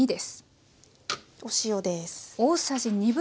お塩です。